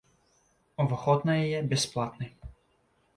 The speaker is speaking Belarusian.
Уваход на яе бясплатны.